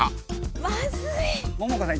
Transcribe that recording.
まずい！